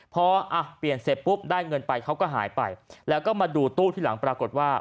พออ่ะเปลี่ยนเสร็จปุ๊บได้เงินไปเขาก็หายไปแล้วก็มาดูตู้ที่หลังปรากฏว่า